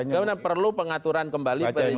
kemudian perlu pengaturan kembali